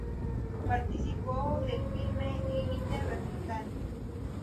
Participó del filme "Límite vertical".